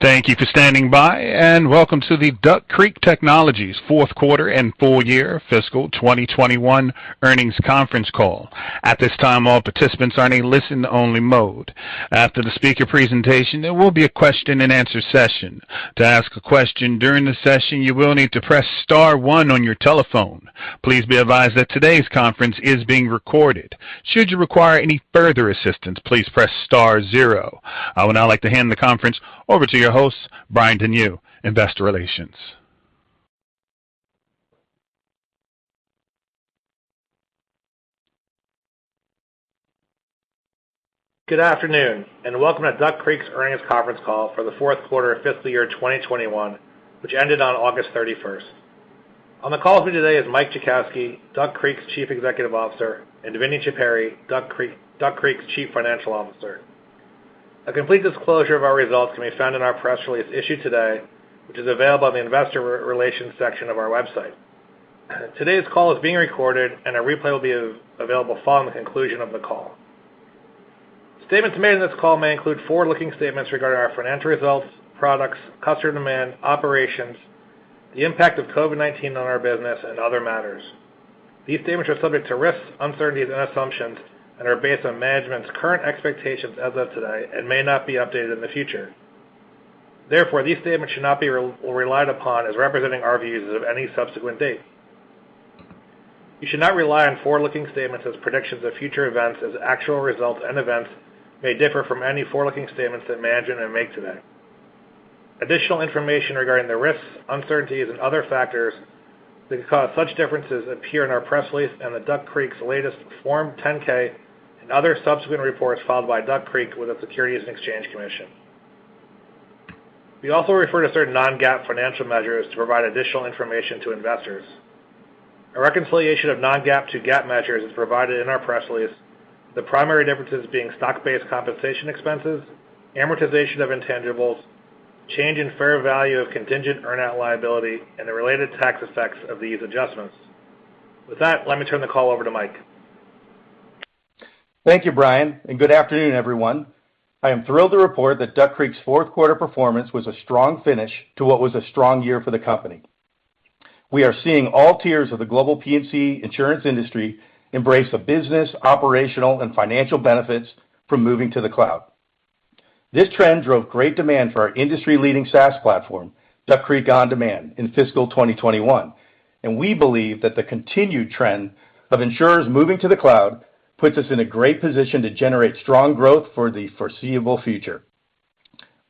Thank you for standing by, and welcome to the Duck Creek Technologies fourth quarter and full year fiscal 2021 earnings conference call. At this time, all participants are in a listen-only mode. After the speaker presentation, there will be a question-and-answer session. To ask a question during the session, you will need to press star one on your telephone. Please be advised that today's conference is being recorded. Should you require any further assistance, please press star zero. I would now like to hand the conference over to your host, Brian Denyeau, investor relations. Good afternoon, welcome to Duck Creek's earnings conference call for the fourth quarter and fiscal year 2021, which ended on August 31st. On the call with me today is Mike Jackowski, Duck Creek's Chief Executive Officer, and Vinny Chippari, Duck Creek's Chief Financial Officer. A complete disclosure of our results can be found in our press release issued today, which is available on the investor relations section of our website. Today's call is being recorded, a replay will be available following the conclusion of the call. Statements made in this call may include forward-looking statements regarding our financial results, products, customer demand, operations, the impact of COVID-19 on our business, and other matters. These statements are subject to risks, uncertainties, and assumptions, are based on management's current expectations as of today and may not be updated in the future. Therefore, these statements should not be relied upon as representing our views as of any subsequent date. You should not rely on forward-looking statements as predictions of future events as actual results and events may differ from any forward-looking statements that management may make today. Additional information regarding the risks, uncertainties, and other factors that could cause such differences appears in our press release and the Duck Creek's latest Form 10-K and other subsequent reports filed by Duck Creek with the Securities and Exchange Commission. We also refer to certain non-GAAP financial measures to provide additional information to investors. A reconciliation of non-GAAP to GAAP measures is provided in our press release. The primary differences being stock-based compensation expenses, amortization of intangibles, change in fair value of contingent earn-out liability, and the related tax effects of these adjustments. With that, let me turn the call over to Mike. Thank you, Brian, and good afternoon, everyone. I am thrilled to report that Duck Creek's fourth quarter performance was a strong finish to what was a strong year for the company. We are seeing all tiers of the global P&C insurance industry embrace the business, operational, and financial benefits from moving to the cloud. This trend drove great demand for our industry-leading SaaS platform, Duck Creek OnDemand, in fiscal 2021. We believe that the continued trend of insurers moving to the cloud puts us in a great position to generate strong growth for the foreseeable future.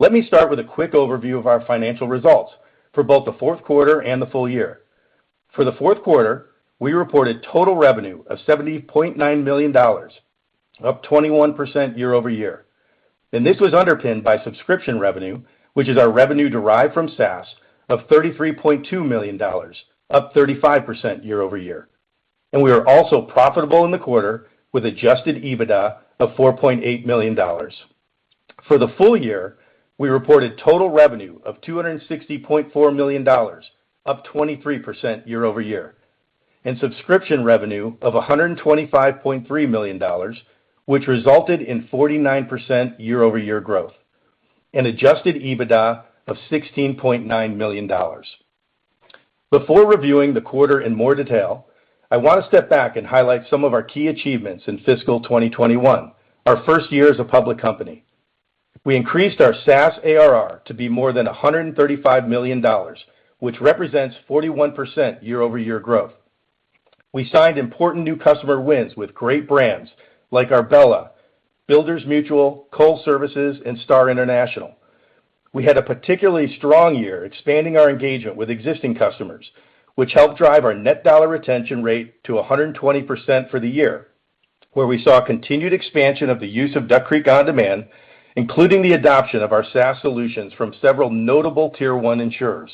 Let me start with a quick overview of our financial results for both the fourth quarter and the full year. For the fourth quarter, we reported total revenue of $70.9 million, up 21% year-over-year. This was underpinned by subscription revenue, which is our revenue derived from SaaS, of $33.2 million, up 35% year-over-year. We are also profitable in the quarter, with adjusted EBITDA of $4.8 million. For the full year, we reported total revenue of $260.4 million, up 23% year-over-year, and subscription revenue of $125.3 million, which resulted in 49% year-over-year growth, and adjusted EBITDA of $16.9 million. Before reviewing the quarter in more detail, I want to step back and highlight some of our key achievements in fiscal 2021, our first year as a public company. We increased our SaaS ARR to be more than $135 million, which represents 41% year-over-year growth. We signed important new customer wins with great brands like Arbella, Builders Mutual, Coal Services, and Starr International. We had a particularly strong year expanding our engagement with existing customers, which helped drive our net dollar retention rate to 120% for the year, where we saw continued expansion of the use of Duck Creek OnDemand, including the adoption of our SaaS solutions from several notable Tier 1 insurers.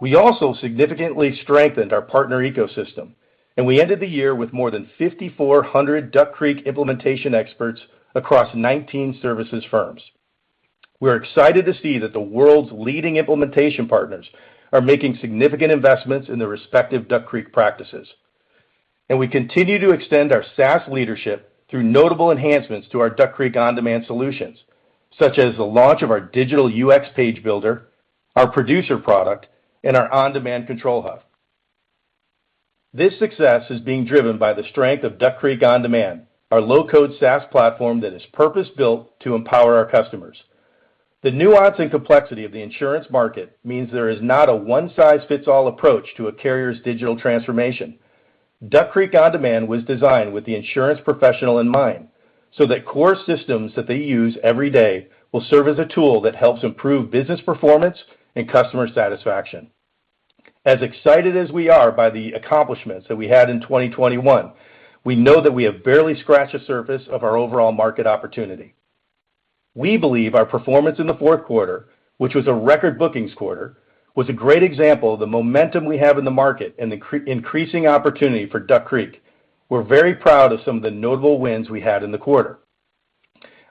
We also significantly strengthened our partner ecosystem. We ended the year with more than 5,400 Duck Creek implementation experts across 19 services firms. We're excited to see that the world's leading implementation partners are making significant investments in their respective Duck Creek practices. We continue to extend our SaaS leadership through notable enhancements to our Duck Creek OnDemand solutions, such as the launch of our digital UX page builder, our producer product, and our OnDemand Control Hub. This success is being driven by the strength of Duck Creek OnDemand, our low-code SaaS platform that is purpose-built to empower our customers. The nuance and complexity of the insurance market means there is not a one-size-fits-all approach to a carrier's digital transformation. Duck Creek OnDemand was designed with the insurance professional in mind so that core systems that they use every day will serve as a tool that helps improve business performance and customer satisfaction. As excited as we are by the accomplishments that we had in 2021, we know that we have barely scratched the surface of our overall market opportunity. We believe our performance in the fourth quarter, which was a record bookings quarter, was a great example of the momentum we have in the market and the increasing opportunity for Duck Creek. We're very proud of some of the notable wins we had in the quarter.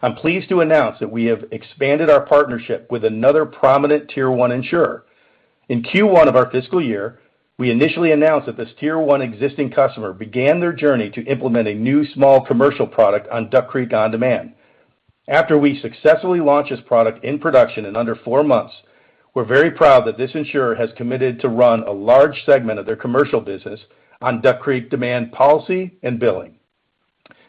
I'm pleased to announce that we have expanded our partnership with another prominent Tier 1 insurer. In Q1 of our fiscal year, we initially announced that this Tier 1 existing customer began their journey to implement a new small commercial product on Duck Creek OnDemand. After we successfully launched this product in production in under four months, we're very proud that this insurer has committed to run a large segment of their commercial business on Duck Creek OnDemand Policy and Billing.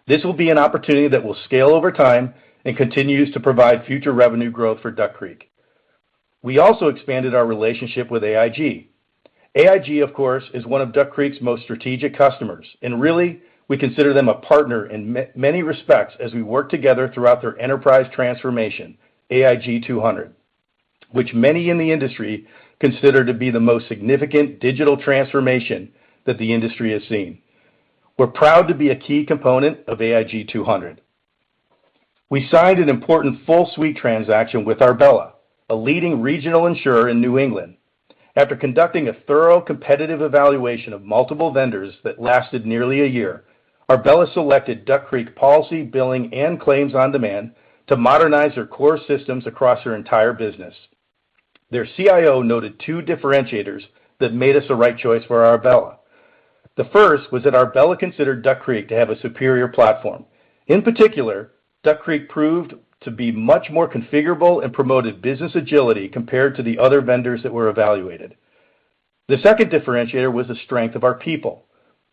This will be an opportunity that will scale over time and continues to provide future revenue growth for Duck Creek. We also expanded our relationship with AIG. AIG, of course, is one of Duck Creek's most strategic customers, really, we consider them a partner in many respects as we work together throughout their enterprise transformation, AIG 200, which many in the industry consider to be the most significant digital transformation that the industry has seen. We're proud to be a key component of AIG 200. We signed an important full suite transaction with Arbella, a leading regional insurer in New England. After conducting a thorough competitive evaluation of multiple vendors that lasted nearly a year, Arbella selected Duck Creek Policy, Billing, and Claims OnDemand to modernize their core systems across their entire business. Their CIO noted two differentiators that made us the right choice for Arbella. The first was that Arbella considered Duck Creek to have a superior platform. In particular, Duck Creek proved to be much more configurable and promoted business agility compared to the other vendors that were evaluated. The second differentiator was the strength of our people.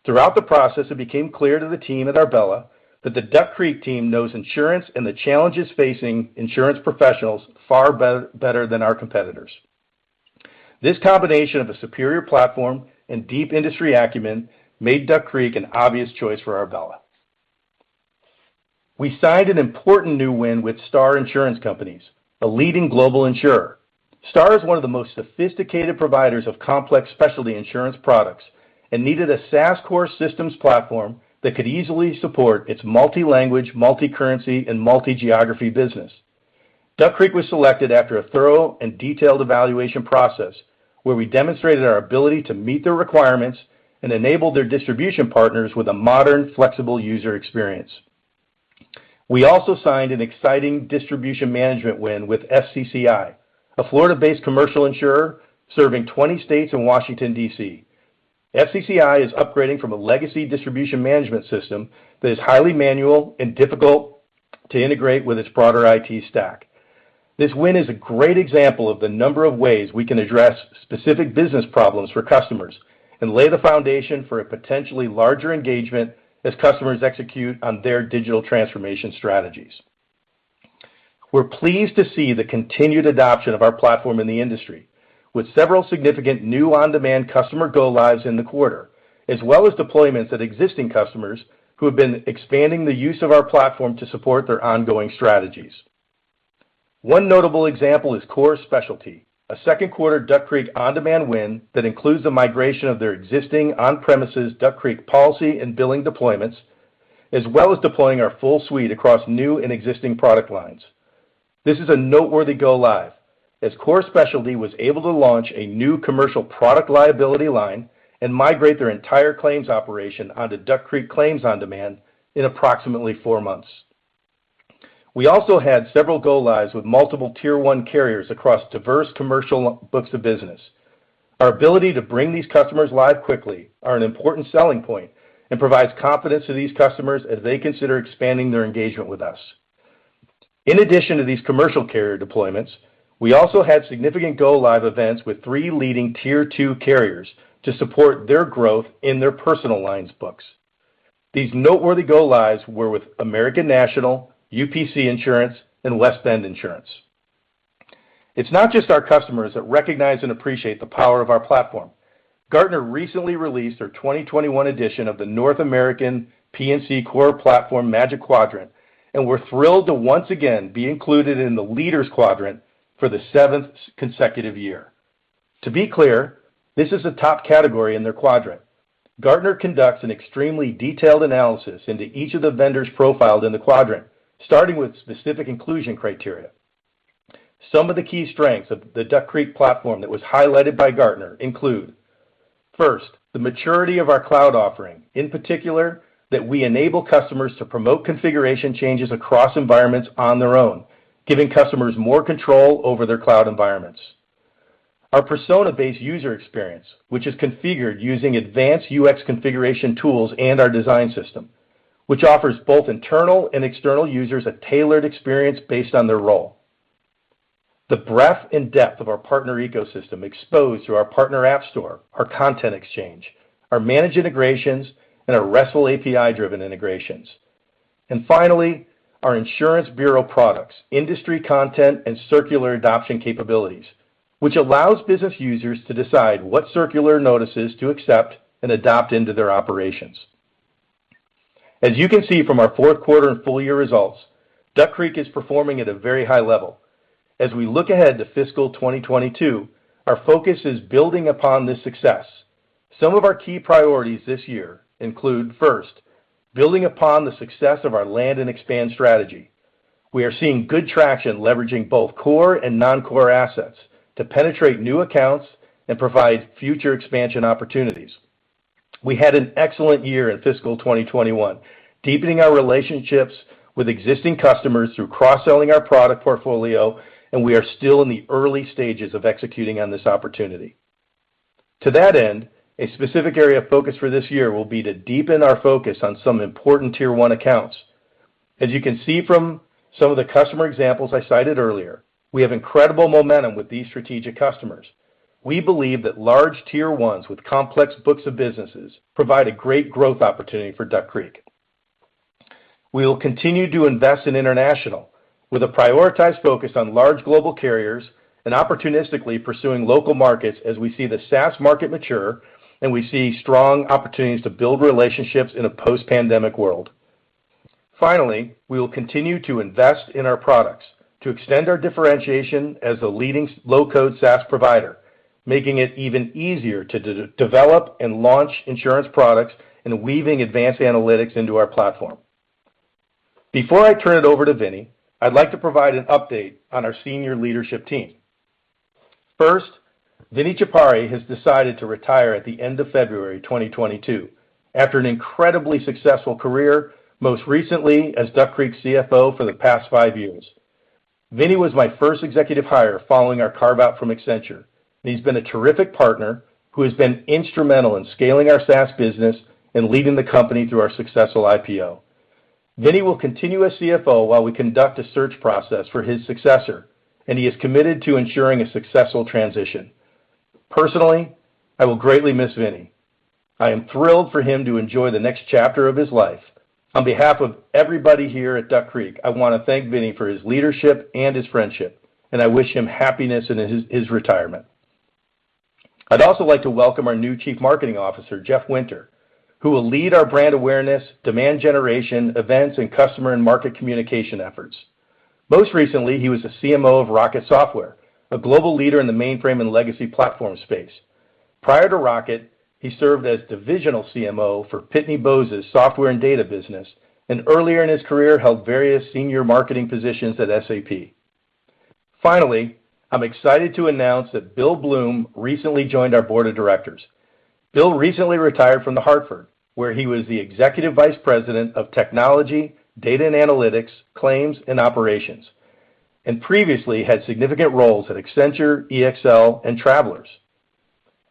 Throughout the process, it became clear to the team at Arbella that the Duck Creek team knows insurance and the challenges facing insurance professionals far better than our competitors. This combination of a superior platform and deep industry acumen made Duck Creek an obvious choice for Arbella. We signed an important new win with Starr Insurance Companies, a leading global insurer. Starr is one of the most sophisticated providers of complex specialty insurance products and needed a SaaS core systems platform that could easily support its multi-language, multi-currency, and multi-geography business. Duck Creek was selected after a thorough and detailed evaluation process where we demonstrated our ability to meet their requirements and enable their distribution partners with a modern, flexible user experience. We also signed an exciting distribution management win with FCCI, a Florida-based commercial insurer serving 20 states and Washington, D.C. FCCI is upgrading from a legacy distribution management system that is highly manual and difficult to integrate with its broader IT stack. This win is a great example of the number of ways we can address specific business problems for customers and lay the foundation for a potentially larger engagement as customers execute on their digital transformation strategies. We're pleased to see the continued adoption of our platform in the industry with several significant new OnDemand customer go-lives in the quarter, as well as deployments at existing customers who have been expanding the use of our platform to support their ongoing strategies. One notable example is Core Specialty, a second quarter Duck Creek OnDemand win that includes the migration of their existing on-premises Duck Creek Policy and Billing deployments, as well as deploying our full suite across new and existing product lines. This is a noteworthy go-live, as Core Specialty was able to launch a new commercial product liability line and migrate their entire claims operation onto Duck Creek Claims OnDemand in approximately four months. We also had several go-lives with multiple Tier 1 carriers across diverse commercial books of business. Our ability to bring these customers live quickly are an important selling point and provides confidence to these customers as they consider expanding their engagement with us. In addition to these commercial carrier deployments, we also had significant go-live events with three leading Tier 2 carriers to support their growth in their personal lines books. These noteworthy go-lives were with American National, UPC Insurance, and West Bend Insurance. It's not just our customers that recognize and appreciate the power of our platform. Gartner recently released their 2021 edition of the North American P&C Core Platforms Magic Quadrant, and we're thrilled to once again be included in the leader's quadrant for the seventh consecutive year. To be clear, this is a top category in their quadrant. Gartner conducts an extremely detailed analysis into each of the vendors profiled in the quadrant, starting with specific inclusion criteria. Some of the key strengths of the Duck Creek platform that was highlighted by Gartner include, first, the maturity of our cloud offering, in particular, that we enable customers to promote configuration changes across environments on their own, giving customers more control over their cloud environments. Our persona-based user experience, which is configured using advanced UX configuration tools and our design system, which offers both internal and external users a tailored experience based on their role. The breadth and depth of our Partner Ecosystem exposed through our partner app store, our Content Exchange, our managed integrations, and our RESTful API-driven integrations. And finally, our insurance bureau products, industry content, and circular adoption capabilities, which allows business users to decide what circular notices to accept and adopt into their operations. As you can see from our fourth quarter and full-year results, Duck Creek is performing at a very high level. As we look ahead to fiscal 2022, our focus is building upon this success. Some of our key priorities this year include, first, building upon the success of our land and expand strategy. We are seeing good traction leveraging both core and non-core assets to penetrate new accounts and provide future expansion opportunities. We had an excellent year in fiscal 2021, deepening our relationships with existing customers through cross-selling our product portfolio, and we are still in the early stages of executing on this opportunity. To that end, a specific area of focus for this year will be to deepen our focus on some important Tier 1 accounts. As you can see from some of the customer examples I cited earlier, we have incredible momentum with these strategic customers. We believe that large Tier 1s with complex books of businesses provide a great growth opportunity for Duck Creek. We will continue to invest in international with a prioritized focus on large global carriers and opportunistically pursuing local markets as we see the SaaS market mature and we see strong opportunities to build relationships in a post-pandemic world. Finally, we will continue to invest in our products to extend our differentiation as the leading low-code SaaS provider, making it even easier to develop and launch insurance products and weaving advanced analytics into our platform. Before I turn it over to Vinny, I'd like to provide an update on our senior leadership team. First, Vinny Chippari has decided to retire at the end of February 2022 after an incredibly successful career, most recently as Duck Creek's CFO for the past five years. Vinny was my first executive hire following our carve-out from Accenture, and he's been a terrific partner who has been instrumental in scaling our SaaS business and leading the company through our successful IPO. Vinny will continue as CFO while we conduct a search process for his successor, and he is committed to ensuring a successful transition. Personally, I will greatly miss Vinny. I am thrilled for him to enjoy the next chapter of his life. On behalf of everybody here at Duck Creek, I want to thank Vinny for his leadership and his friendship, and I wish him happiness in his retirement. I'd also like to welcome our new Chief Marketing Officer, Jeff Winter, who will lead our brand awareness, demand generation, events, and customer and market communication efforts. Most recently, he was a CMO of Rocket Software, a global leader in the mainframe and legacy platform space. Prior to Rocket, he served as divisional CMO for Pitney Bowes' software and data business, and earlier in his career, held various senior marketing positions at SAP. Finally, I'm excited to announce that Bill Bloom recently joined our board of directors. Bill recently retired from The Hartford, where he was the Executive Vice President of Technology, Data and Analytics, Claims and Operations, and previously had significant roles at Accenture, EXL, and Travelers.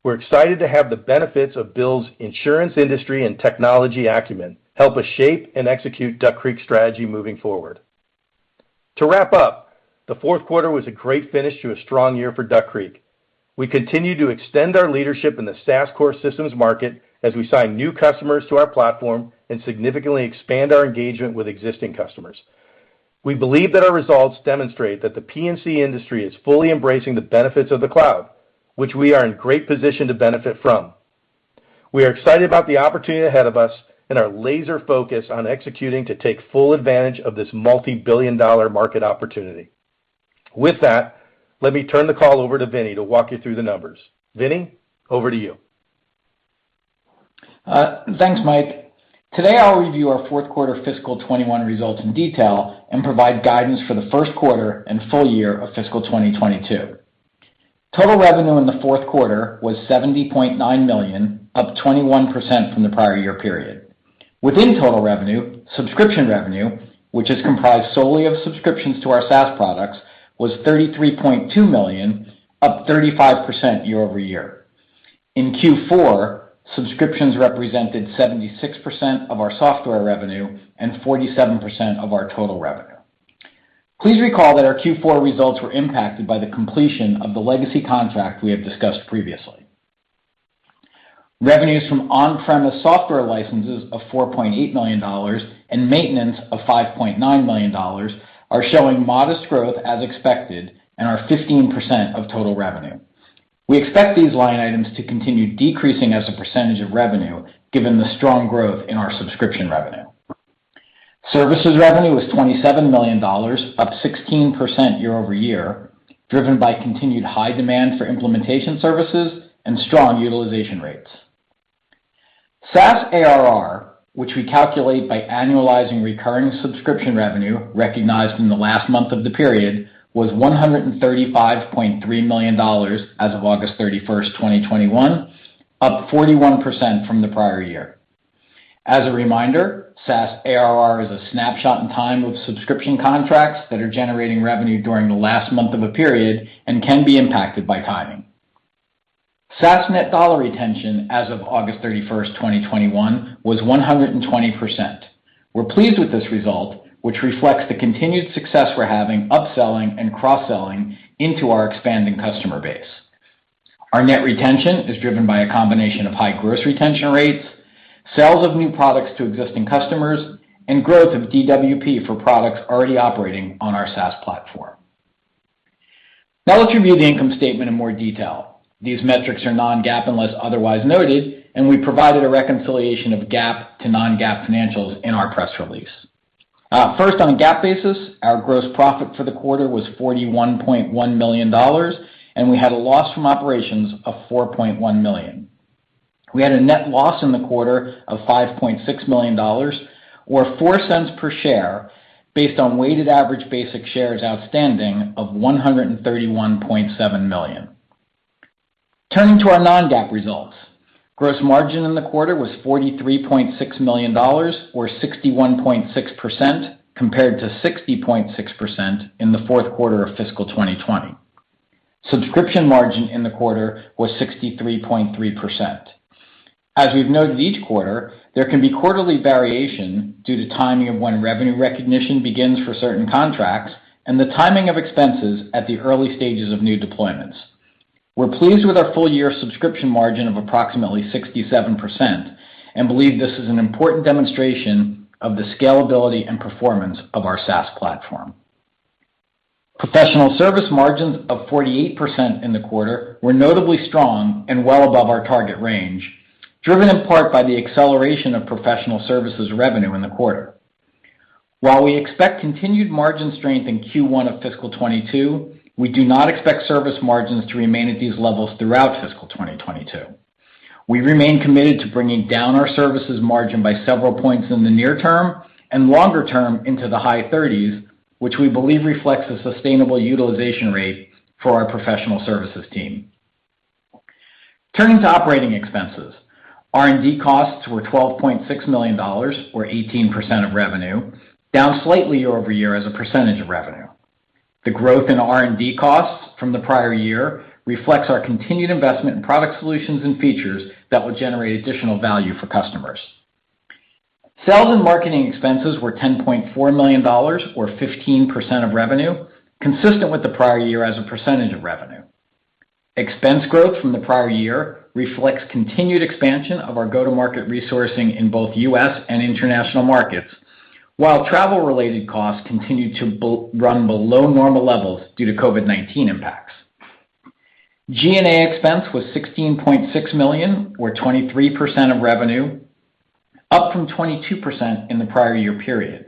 We're excited to have the benefits of Bill's insurance industry and technology acumen help us shape and execute Duck Creek strategy moving forward. To wrap up, the fourth quarter was a great finish to a strong year for Duck Creek. We continue to extend our leadership in the SaaS core systems market as we sign new customers to our platform and significantly expand our engagement with existing customers. We believe that our results demonstrate that the P&C industry is fully embracing the benefits of the cloud, which we are in great position to benefit from. We are excited about the opportunity ahead of us and are laser-focused on executing to take full advantage of this multibillion-dollar market opportunity. With that, let me turn the call over to Vinny to walk you through the numbers. Vinny, over to you. Thanks, Mike. Today, I'll review our fourth quarter fiscal 2021 results in detail and provide guidance for the first quarter and full year of fiscal 2022. Total revenue in the fourth quarter was $70.9 million, up 21% from the prior year period. Within total revenue, subscription revenue, which is comprised solely of subscriptions to our SaaS products, was $33.2 million, up 35% year-over-year. In Q4, subscriptions represented 76% of our software revenue and 47% of our total revenue. Please recall that our Q4 results were impacted by the completion of the legacy contract we have discussed previously. Revenues from on-premise software licenses of $4.8 million and maintenance of $5.9 million are showing modest growth as expected and are 15% of total revenue. We expect these line items to continue decreasing as a percentage of revenue given the strong growth in our subscription revenue. Services revenue was $27 million, up 16% year-over-year, driven by continued high demand for implementation services and strong utilization rates. SaaS ARR, which we calculate by annualizing recurring subscription revenue recognized in the last month of the period, was $135.3 million as of August 31st, 2021, up 41% from the prior year. As a reminder, SaaS ARR is a snapshot in time of subscription contracts that are generating revenue during the last month of a period and can be impacted by timing. SaaS net dollar retention as of August 31st, 2021 was 120%. We're pleased with this result, which reflects the continued success we're having upselling and cross-selling into our expanding customer base. Our net retention is driven by a combination of high gross retention rates, sales of new products to existing customers, and growth of DWP for products already operating on our SaaS platform. Now let's review the income statement in more detail. These metrics are non-GAAP unless otherwise noted, and we provided a reconciliation of GAAP to non-GAAP financials in our press release. First, on a GAAP basis, our gross profit for the quarter was $41.1 million, and we had a loss from operations of $4.1 million. We had a net loss in the quarter of $5.6 million. $0.04 per share based on weighted average basic shares outstanding of 131.7 million. Turning to our non-GAAP results. Gross margin in the quarter was $43.6 million or 61.6%, compared to 60.6% in the fourth quarter of fiscal 2020. Subscription margin in the quarter was 63.3%. As we've noted each quarter, there can be quarterly variation due to timing of when revenue recognition begins for certain contracts and the timing of expenses at the early stages of new deployments. We're pleased with our full-year subscription margin of approximately 67% and believe this is an important demonstration of the scalability and performance of our SaaS platform. Professional service margins of 48% in the quarter were notably strong and well above our target range, driven in part by the acceleration of professional services revenue in the quarter. While we expect continued margin strength in Q1 of fiscal 2022, we do not expect service margins to remain at these levels throughout fiscal 2022. We remain committed to bringing down our services margin by several points in the near term and longer term into the high 30s, which we believe reflects a sustainable utilization rate for our professional services team. Turning to operating expenses. R&D costs were $12.6 million or 18% of revenue, down slightly year-over-year as a percentage of revenue. The growth in R&D costs from the prior year reflects our continued investment in product solutions and features that will generate additional value for customers. Sales and marketing expenses were $10.4 million or 15% of revenue, consistent with the prior year as a percentage of revenue. Expense growth from the prior year reflects continued expansion of our go-to-market resourcing in both U.S. and international markets, while travel-related costs continue to run below normal levels due to COVID-19 impacts. G&A expense was $16.6 million or 23% of revenue, up from 22% in the prior year period.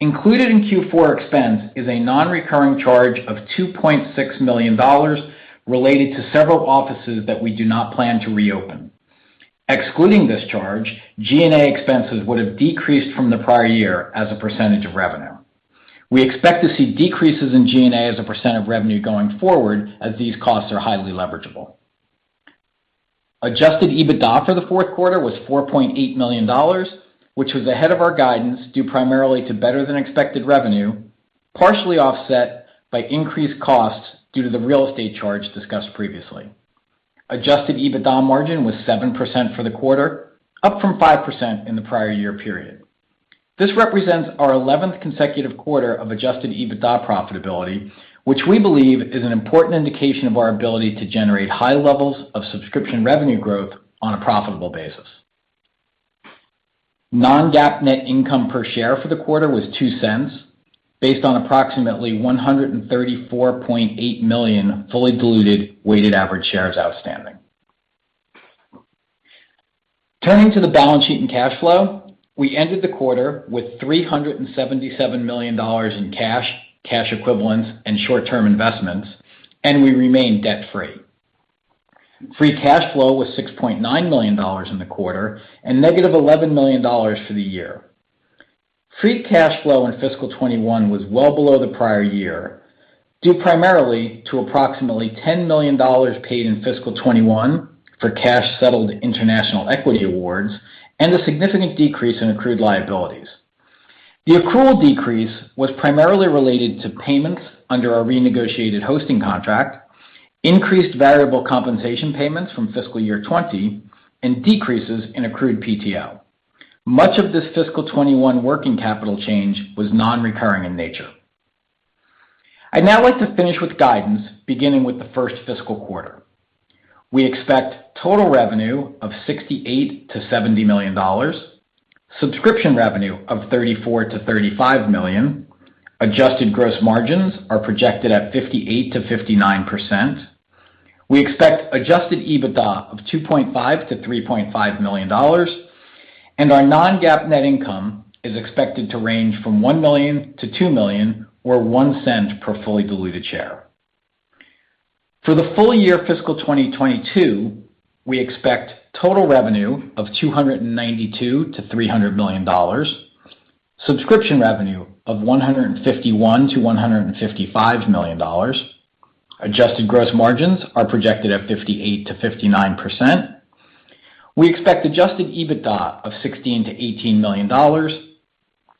Included in Q4 expense is a non-recurring charge of $2.6 million related to several offices that we do not plan to reopen. Excluding this charge, G&A expenses would have decreased from the prior year as a percentage of revenue. We expect to see decreases in G&A as a percent of revenue going forward as these costs are highly leverageable. Adjusted EBITDA for the fourth quarter was $4.8 million, which was ahead of our guidance due primarily to better-than-expected revenue, partially offset by increased costs due to the real estate charge discussed previously. Adjusted EBITDA margin was 7% for the quarter, up from 5% in the prior year period. This represents our 11th consecutive quarter of adjusted EBITDA profitability, which we believe is an important indication of our ability to generate high levels of subscription revenue growth on a profitable basis. Non-GAAP net income per share for the quarter was $0.02, based on approximately 134.8 million fully diluted weighted average shares outstanding. Turning to the balance sheet and cash flow. We ended the quarter with $377 million in cash equivalents, and short-term investments, and we remain debt-free. Free cash flow was $6.9 million in the quarter and -$11 million for the year. Free cash flow in fiscal 2021 was well below the prior year, due primarily to approximately $10 million paid in fiscal 2021 for cash-settled international equity awards and a significant decrease in accrued liabilities. The accrual decrease was primarily related to payments under our renegotiated hosting contract, increased variable compensation payments from fiscal year 2020, and decreases in accrued PTO. Much of this fiscal 2021 working capital change was non-recurring in nature. I'd now like to finish with guidance, beginning with the first fiscal quarter. We expect total revenue of $68 million-$70 million, subscription revenue of $34 million-$35 million, adjusted gross margins are projected at 58%-59%. We expect adjusted EBITDA of $2.5 million-$3.5 million, and our non-GAAP net income is expected to range from $1 million-$2 million or $0.01 per fully diluted share. For the full year fiscal 2022, we expect total revenue of $292 million-$300 million, subscription revenue of $151 million-$155 million, adjusted gross margins are projected at 58%-59%. We expect adjusted EBITDA of $16 million-$18 million,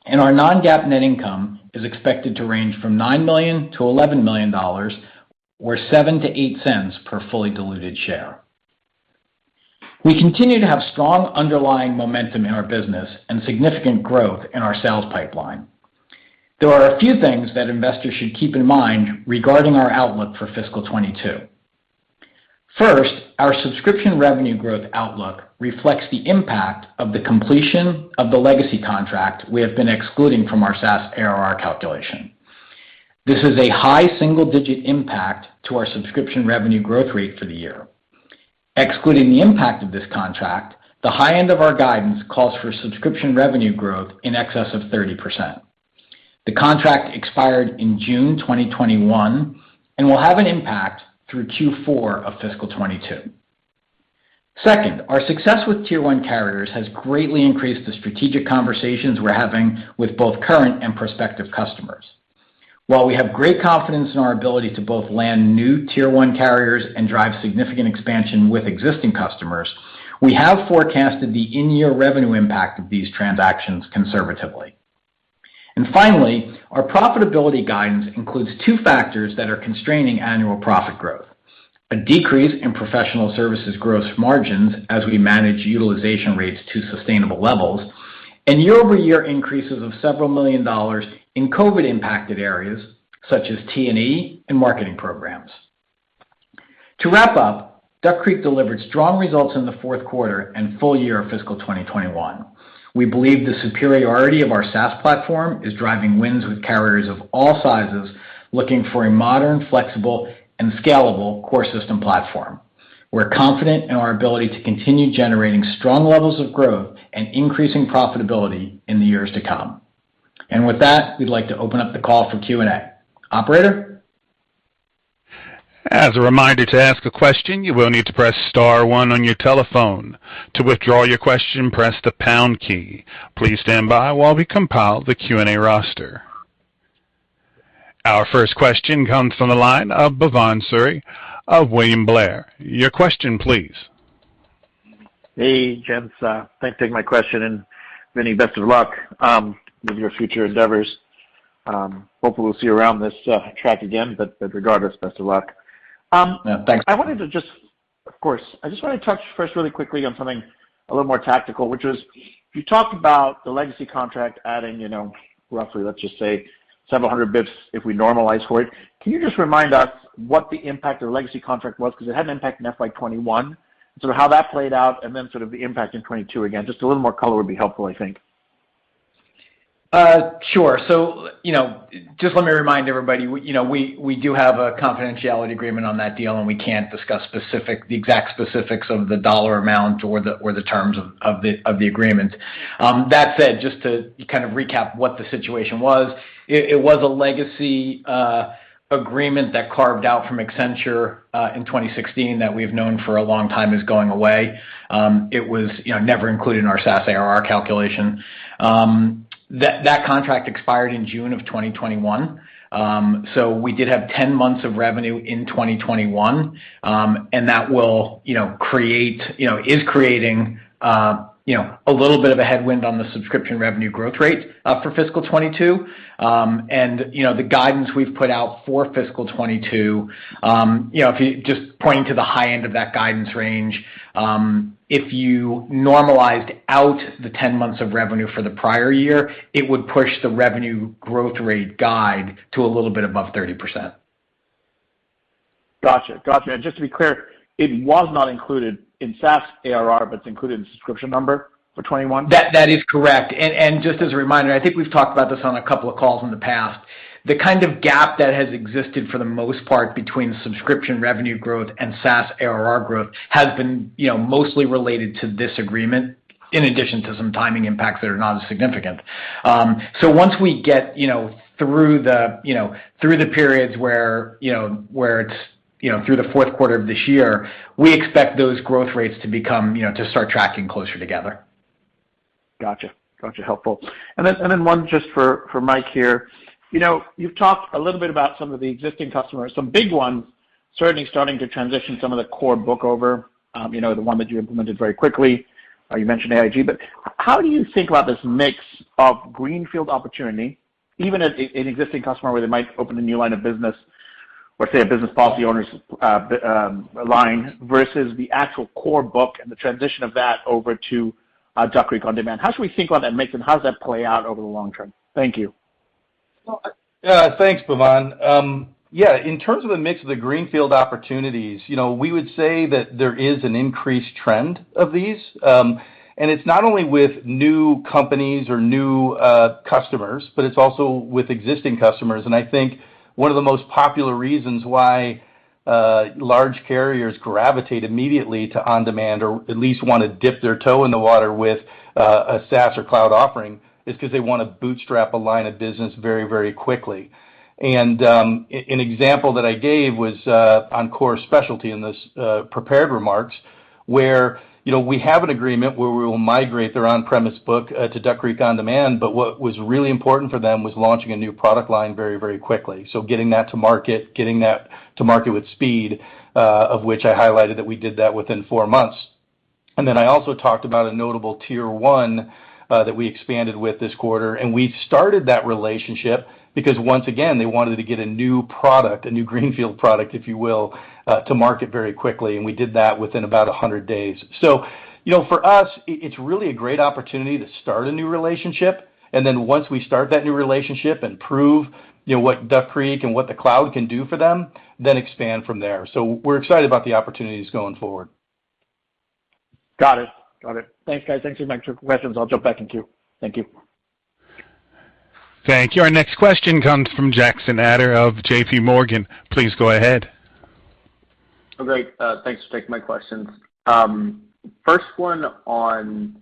and our non-GAAP net income is expected to range from $9 million-$11 million, or $0.07-$0.08 per fully diluted share. We continue to have strong underlying momentum in our business and significant growth in our sales pipeline. There are a few things that investors should keep in mind regarding our outlook for fiscal 2022. First, our subscription revenue growth outlook reflects the impact of the completion of the legacy contract we have been excluding from our SaaS ARR calculation. This is a high single-digit impact to our subscription revenue growth rate for the year. Excluding the impact of this contract, the high end of our guidance calls for subscription revenue growth in excess of 30%. The contract expired in June 2021 and will have an impact through Q4 of fiscal 2022. Second, our success with Tier 1 carriers has greatly increased the strategic conversations we're having with both current and prospective customers. While we have great confidence in our ability to both land new Tier 1 carriers and drive significant expansion with existing customers, we have forecasted the in-year revenue impact of these transactions conservatively. Finally, our profitability guidance includes two factors that are constraining annual profit growth. A decrease in professional services gross margins as we manage utilization rates to sustainable levels, and year-over-year increases of several million dollars in COVID-impacted areas such as T&E and marketing programs. To wrap up, Duck Creek delivered strong results in the fourth quarter and full year of fiscal 2021. We believe the superiority of our SaaS platform is driving wins with carriers of all sizes looking for a modern, flexible and scalable core system platform. We're confident in our ability to continue generating strong levels of growth and increasing profitability in the years to come. With that, we'd like to open up the call for Q&A. Operator? As a reminder to ask question, you will need to press star one on your telephone. To withdraw your question, press the pound key. Please stand by while we compile the Q&A roster. Our first question comes from the line of Bhavan Suri of William Blair. Your question, please. Hey, gents. Thanks for taking my question. Vinny, best of luck with your future endeavors. Hopefully we'll see you around this track again, but regardless, best of luck. Yeah, thanks. Of course. I just want to touch first really quickly on something a little more tactical, which was, you talked about the legacy contract adding roughly, let's just say 700 basis points if we normalize for it. Can you just remind us what the impact of the legacy contract was? It had an impact in FY 2021, and sort of how that played out, sort of the impact in 2022 again, just a little more color would be helpful, I think. Sure. Just let me remind everybody, we do have a confidentiality agreement on that deal, and we can't discuss the exact specifics of the dollar amount or the terms of the agreement. That said, just to kind of recap what the situation was, it was a legacy agreement that carved out from Accenture in 2016 that we've known for a long time is going away. It was never included in our SaaS ARR calculation. That contract expired in June of 2021. We did have 10 months of revenue in 2021. That is creating a little bit of a headwind on the subscription revenue growth rate for fiscal 2022. The guidance we've put out for fiscal 2022, just pointing to the high end of that guidance range, if you normalized out the 10 months of revenue for the prior year, it would push the revenue growth rate guide to a little bit above 30%. Got you. Just to be clear, it was not included in SaaS ARR, but it's included in subscription number for 2021? That is correct. Just as a reminder, I think we've talked about this on a couple of calls in the past, the kind of gap that has existed for the most part between subscription revenue growth and SaaS ARR growth has been mostly related to this agreement, in addition to some timing impacts that are not as significant. Once we get through the periods where it's through the fourth quarter of this year, we expect those growth rates to start tracking closer together. Got you. Helpful. One just for Mike here. You've talked a little bit about some of the existing customers, some big ones certainly starting to transition some of the core book over. The one that you implemented very quickly, you mentioned AIG, how do you think about this mix of greenfield opportunity, even at an existing customer where they might open a new line of business, or say, a business policy owners line, versus the actual core book and the transition of that over to Duck Creek OnDemand? How should we think about that mix and how does that play out over the long term? Thank you. Thanks, Bhavan. In terms of the mix of the greenfield opportunities, we would say that there is an increased trend of these. It's not only with new companies or new customers, but it's also with existing customers. I think one of the most popular reasons why large carriers gravitate immediately to OnDemand or at least want to dip their toe in the water with a SaaS or cloud offering, is because they want to bootstrap a line of business very quickly. An example that I gave was on Core Specialty in those prepared remarks, where we have an agreement where we will migrate their on-premise book to Duck Creek OnDemand, but what was really important for them was launching a new product line very quickly. Getting that to market, getting that to market with speed, of which I highlighted that we did that within four months. I also talked about a notable Tier 1 that we expanded with this quarter, and we started that relationship because once again, they wanted to get a new product, a new greenfield product, if you will, to market very quickly, and we did that within about 100 days. For us, it's really a great opportunity to start a new relationship, and then once we start that new relationship and prove what Duck Creek and what the cloud can do for them, then expand from there. We're excited about the opportunities going forward. Got it. Thanks, guys. Thanks for taking my questions. I'll jump back in queue. Thank you. Thank you. Our next question comes from Jackson Ader of JPMorgan. Please go ahead. Great. Thanks for taking my questions. First one on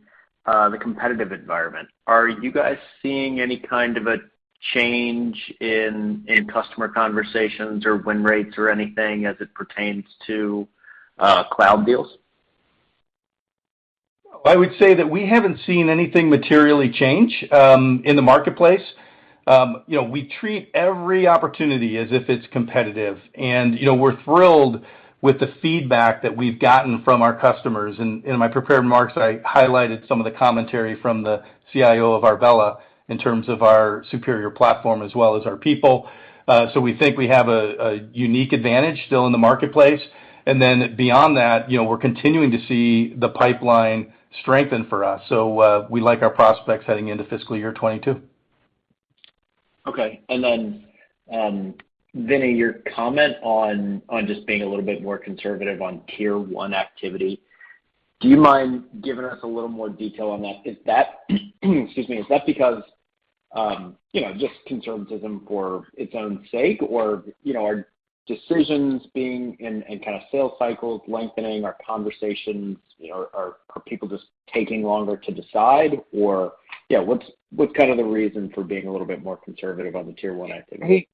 the competitive environment. Are you guys seeing any kind of a change in customer conversations or win rates or anything as it pertains to cloud deals? I would say that we haven't seen anything materially change in the marketplace. We treat every opportunity as if it's competitive, and we're thrilled with the feedback that we've gotten from our customers. In my prepared remarks, I highlighted some of the commentary from the CIO of Arbella in terms of our superior platform as well as our people. We think we have a unique advantage still in the marketplace. Beyond that, we're continuing to see the pipeline strengthen for us. We like our prospects heading into fiscal year 2022. Okay. Vinny, your comment on just being a little bit more conservative on Tier 1 activity, do you mind giving us a little more detail on that? Is that because just conservatism for its own sake? Are decisions being, and kind of sales cycles lengthening, are conversations, are people just taking longer to decide or what's kind of the reason for being a little bit more conservative on the Tier 1 activity?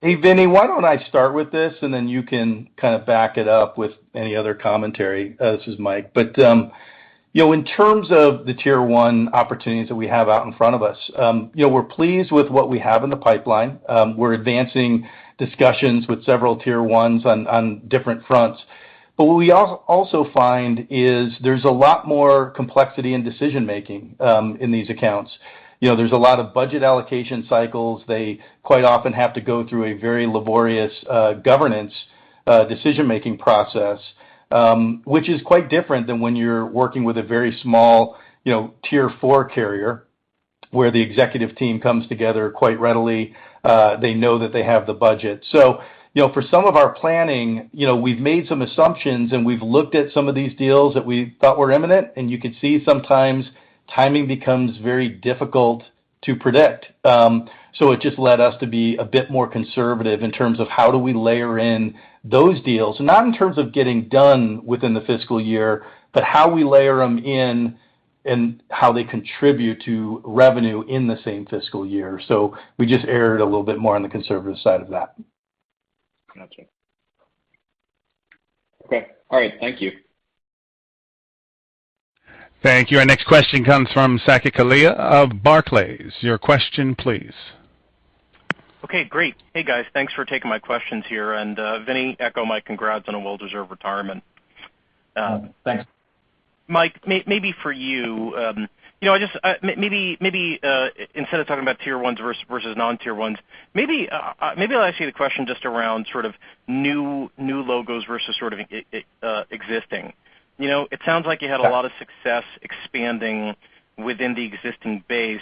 Hey, Vinny, why don't I start with this, and then you can kind of back it up with any other commentary. This is Mike. In terms of the Tier 1 opportunities that we have out in front of us, we're pleased with what we have in the pipeline. We're advancing discussions with several Tier 1s on different fronts. What we also find is there's a lot more complexity in decision-making in these accounts. There's a lot of budget allocation cycles. They quite often have to go through a very laborious governance decision-making process, which is quite different than when you're working with a very small Tier 4 carrier, where the executive team comes together quite readily. They know that they have the budget. For some of our planning, we've made some assumptions, and we've looked at some of these deals that we thought were imminent, and you could see sometimes timing becomes very difficult to predict. It just led us to be a bit more conservative in terms of how do we layer in those deals, not in terms of getting done within the fiscal year, but how we layer them in and how they contribute to revenue in the same fiscal year. We just erred a little bit more on the conservative side of that. Got you. Okay, all right. Thank you. Thank you. Our next question comes from Saket Kalia of Barclays. Your question, please. Okay, great. Hey, guys. Thanks for taking my questions here. Vinny, echo Mike, congrats on a well-deserved retirement. Thanks. Mike, maybe for you, maybe instead of talking about Tier 1s versus non-Tier 1s, maybe I'll ask you the question just around sort of new logos versus sort of existing. It sounds like you had a lot of success expanding within the existing base,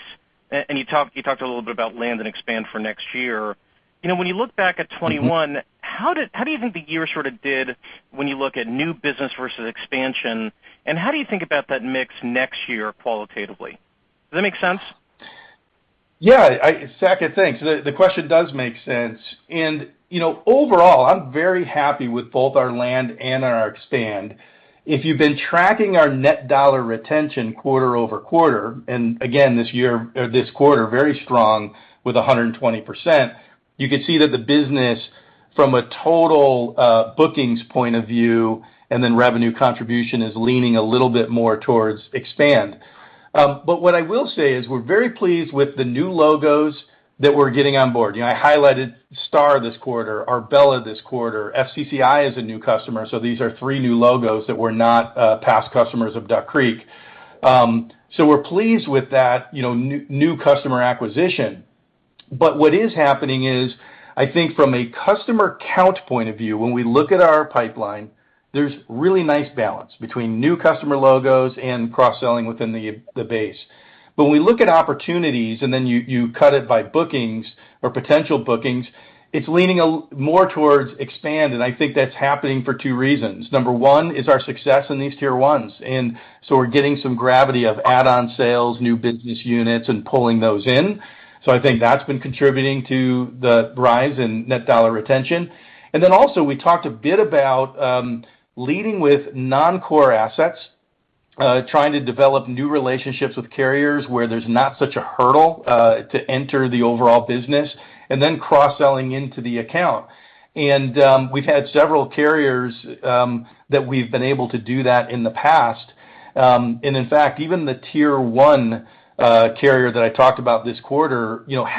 and you talked a little bit about land and expand for next year. When you look back at 2021, how do you think the year sort of did when you look at new business versus expansion, and how do you think about that mix next year qualitatively? Does that make sense? Yeah. Saket, thanks. The question does make sense. Overall, I'm very happy with both our land and our expand. If you've been tracking our net dollar retention quarter-over-quarter, and again, this quarter, very strong with 120%, you could see that the business from a total bookings point of view, and then revenue contribution is leaning a little bit more towards expand. What I will say is we're very pleased with the new logos that we're getting on board. I highlighted Starr this quarter, Arbella this quarter. FCCI is a new customer. These are three new logos that were not past customers of Duck Creek. We're pleased with that new customer acquisition. What is happening is, I think from a customer count point of view, when we look at our pipeline, there's really nice balance between new customer logos and cross-selling within the base. When we look at opportunities, and then you cut it by bookings or potential bookings, it's leaning more towards expand, and I think that's happening for two reasons. Number one is our success in these Tier 1s, and so we're getting some gravity of add-on sales, new business units, and pulling those in. I think that's been contributing to the rise in net dollar retention. Then also we talked a bit about leading with non-core assets, trying to develop new relationships with carriers where there's not such a hurdle to enter the overall business, and then cross-selling into the account. We've had several carriers that we've been able to do that in the past. In fact, even the Tier 1 carrier that I talked about this quarter, we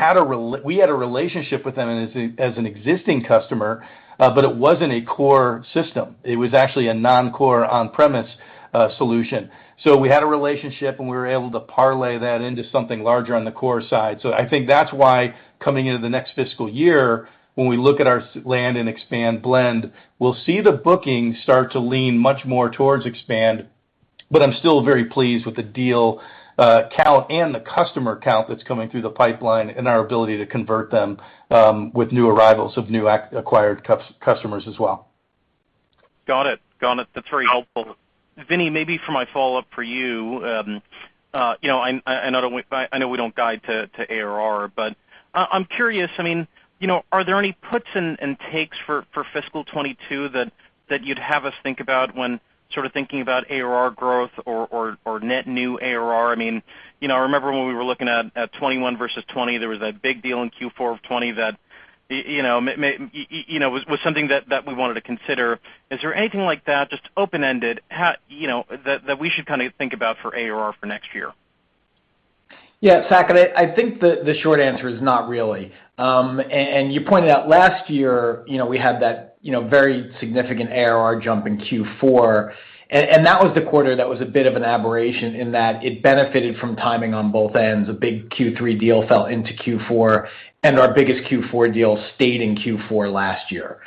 had a relationship with them as an existing customer, but it wasn't a core system. It was actually a non-core on-premise solution. We had a relationship, and we were able to parlay that into something larger on the core side. I think that's why coming into the next fiscal year, when we look at our land and expand blend, we'll see the bookings start to lean much more towards expand, but I'm still very pleased with the deal count and the customer count that's coming through the pipeline and our ability to convert them with new arrivals of new acquired customers as well. Got it. That's very helpful. Vinny, maybe for my follow-up for you, I know we don't guide to ARR, but I'm curious, are there any puts and takes for fiscal 2022 that you'd have us think about when thinking about ARR growth or net new ARR? I remember when we were looking at 2021 versus 2020, there was a big deal in Q4 of 2020 that was something that we wanted to consider. Is there anything like that, just open-ended, that we should think about for ARR for next year? Yeah, Saket, I think the short answer is not really. You pointed out last year, we had that very significant ARR jump in Q4, and that was the quarter that was a bit of an aberration in that it benefited from timing on both ends. A big Q3 deal fell into Q4, and our biggest Q4 deal stayed in Q4 last year.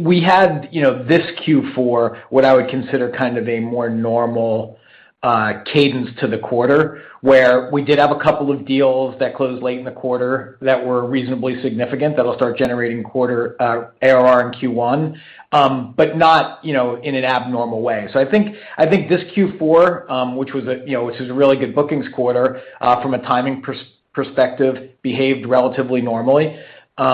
We had this Q4, what I would consider kind of a more normal cadence to the quarter, where we did have a couple of deals that closed late in the quarter that were reasonably significant, that'll start generating quarter ARR in Q1, but not in an abnormal way. I think this Q4, which was a really good bookings quarter from a timing perspective, behaved relatively normally. We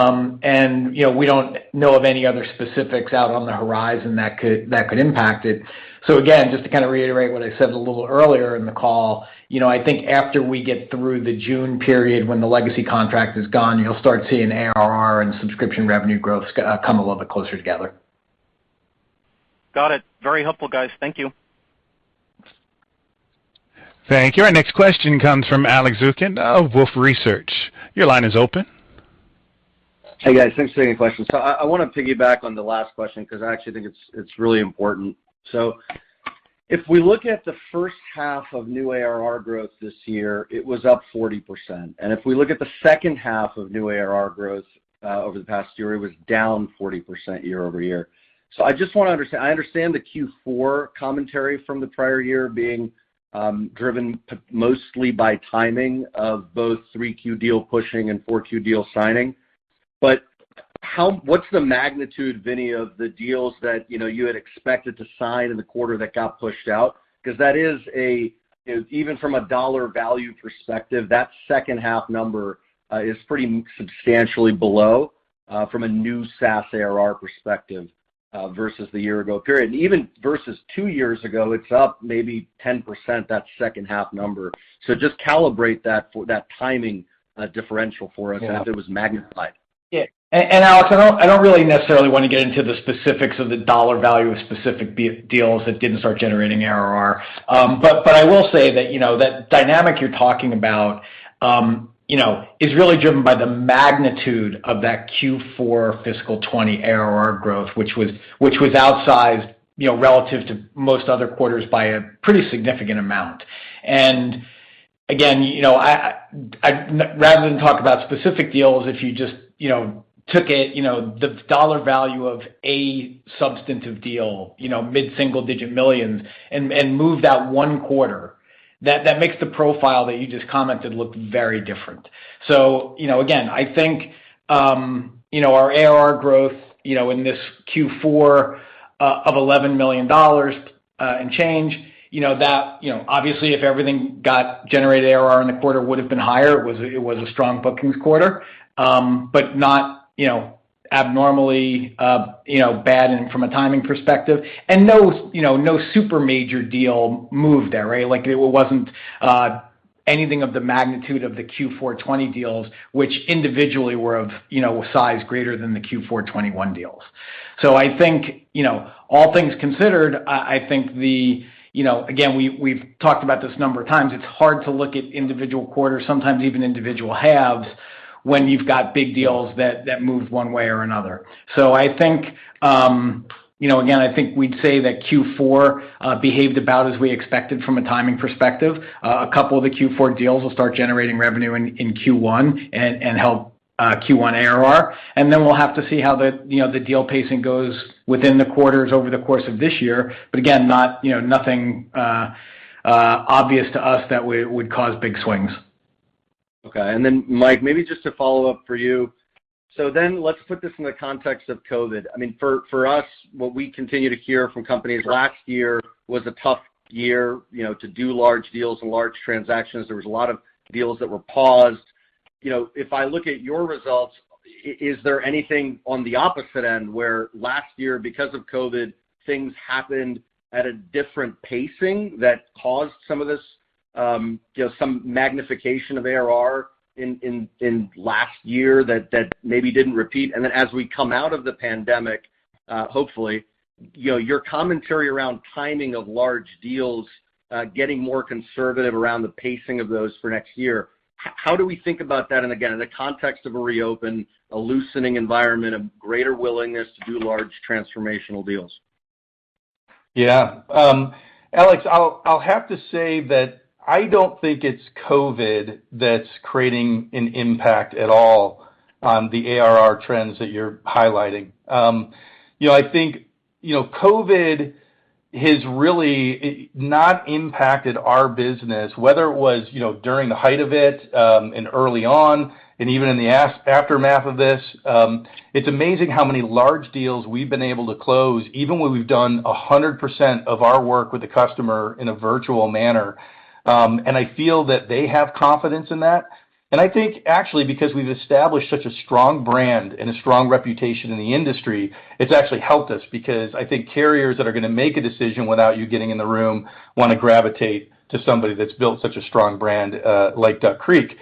don't know of any other specifics out on the horizon that could impact it. Again, just to reiterate what I said a little earlier in the call, I think after we get through the June period when the legacy contract is gone, you'll start seeing ARR and subscription revenue growth come a little bit closer together. Got it. Very helpful, guys. Thank you. Thank you. Our next question comes from Alex Zukin of Wolfe Research. Your line is open. Hey, guys, thanks for taking the question. I want to piggyback on the last question because I actually think it's really important. If we look at the first half of new ARR growth this year, it was up 40%. If we look at the second half of new ARR growth over the past year, it was down 40% year-over-year. I just want to understand the Q4 commentary from the prior year being driven mostly by timing of both 3Q deal pushing and 4Q deal signing. What's the magnitude, Vinny, of the deals that you had expected to sign in the quarter that got pushed out? Even from a dollar value perspective, that second half number is pretty substantially below from a new SaaS ARR perspective versus the year ago period. Even versus two years ago, it's up maybe 10%, that second half number. Just calibrate that timing differential for us? Yeah if it was magnified. Yeah. Alex, I don't really necessarily want to get into the specifics of the dollar value of specific deals that didn't start generating ARR. I will say that dynamic you're talking about is really driven by the magnitude of that Q4 fiscal 2020 ARR growth, which was outsized relative to most other quarters by a pretty significant amount. Again, rather than talk about specific deals, if you just took it, the dollar value of a substantive deal, mid-single digit millions, and moved that one quarter, that makes the profile that you just commented look very different. Again, I think our ARR growth in this Q4 of $11 million and change, obviously if everything got generated ARR in the quarter would've been higher. It was a strong bookings quarter, but not abnormally bad from a timing perspective. No super major deal moved there, right? It wasn't anything of the magnitude of the Q4 2020 deals, which individually were of size greater than the Q4 2021 deals. I think all things considered, again, we've talked about this a number of times, it's hard to look at individual quarters, sometimes even individual halves, when you've got big deals that move one way or another. Again, I think we'd say that Q4 behaved about as we expected from a timing perspective. A couple of the Q4 deals will start generating revenue in Q1 and help Q1 ARR, and then we'll have to see how the deal pacing goes within the quarters over the course of this year. Again, nothing obvious to us that would cause big swings. Okay. Mike, maybe just to follow up for you. Let's put this in the context of COVID. For us, what we continue to hear from companies, last year was a tough year to do large deals and large transactions. There was a lot of deals that were paused. If I look at your results, is there anything on the opposite end where last year, because of COVID, things happened at a different pacing that caused some magnification of ARR in last year that maybe didn't repeat? As we come out of the pandemic, hopefully, your commentary around timing of large deals, getting more conservative around the pacing of those for next year, how do we think about that? Again, in the context of a reopen, a loosening environment of greater willingness to do large transformational deals. Alex, I'll have to say that I don't think it's COVID that's creating an impact at all on the ARR trends that you're highlighting. I think COVID has really not impacted our business, whether it was during the height of it, and early on, and even in the aftermath of this. It's amazing how many large deals we've been able to close, even when we've done 100% of our work with the customer in a virtual manner. I feel that they have confidence in that. I think, actually, because we've established such a strong brand and a strong reputation in the industry, it's actually helped us because I think carriers that are going to make a decision without you getting in the room want to gravitate to somebody that's built such a strong brand, like Duck Creek.